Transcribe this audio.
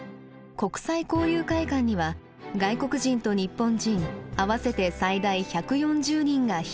国際交流会館には外国人と日本人合わせて最大１４０人が避難。